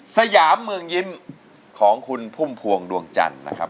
สยามเมืองยิ้มของคุณพุ่มพวงดวงจันทร์นะครับ